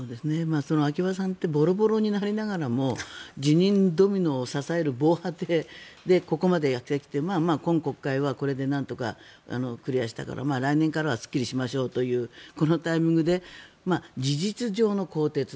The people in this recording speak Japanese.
その秋葉さんってボロボロになりながらも辞任ドミノを支える防波堤でここまでやってきて今国会はこれでなんとかクリアしたから来年からはすっきりしましょうというこのタイミングで事実上の更迭と。